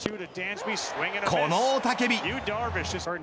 この雄たけび。